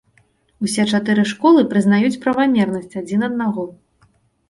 Усе чатыры школы прызнаюць правамернасць адзін аднаго.